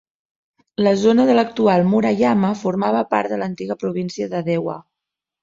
La zona de l'actual Murayama formava part de l'antiga província de Dewa.